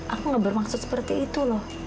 aku gak bermaksud seperti itu loh